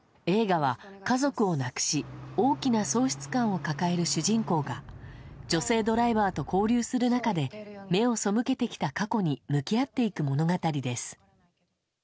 映画は、家族を亡くし、大きな喪失感を抱える主人公が、女性ドライバーと交流する中で、目を背けてきた過去に向き合っていく物語です。